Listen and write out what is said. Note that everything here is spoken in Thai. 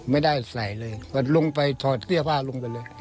ไม่ได้ใส่เลยก็ลงไปถอดเสื้อผ้าลงไปเลย